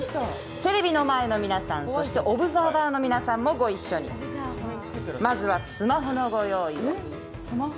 テレビの前の皆さんそしてオブザーバーの皆さんもご一緒にスマホ。